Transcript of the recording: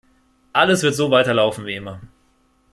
Alles wird so weiterlaufen wie immer.